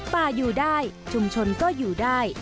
อยู่ได้ชุมชนก็อยู่ได้